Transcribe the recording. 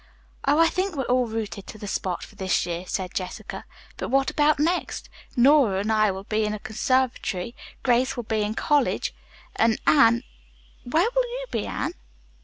"Oh, I think we're all rooted to the spot for this year," said Jessica, "but what about next? Nora and I will be in a conservatory, Grace will be in college and Anne where will you be, Anne?"